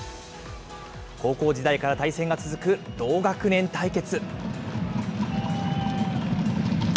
高校時代から対戦が続く同学年対決。